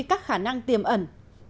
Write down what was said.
các khả năng tiềm ẩn